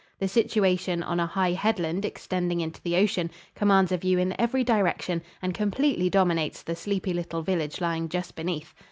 The situation, on a high headland extending into the ocean, commands a view in every direction and completely dominates the sleepy little village lying just beneath.